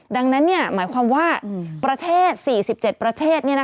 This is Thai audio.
ดังนั้นหมายความว่าประเทศ๔๗ประเทศ